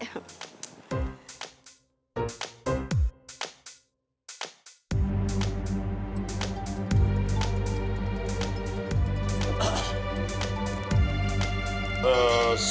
eh selamat pagi mak